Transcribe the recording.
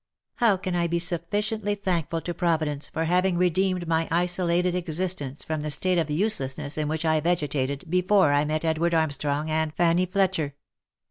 " How can I be sufficiently thankful to Providence for having re deemed my isolated existence from the state of uselessness in which I vegetated before I met Edward Armstrong and Fanny Fletcher